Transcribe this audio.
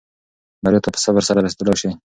بریا ته په صبر سره رسېدلای شې.